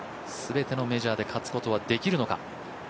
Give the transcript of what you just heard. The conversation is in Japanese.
全てのメジャーで勝つことはできるのか。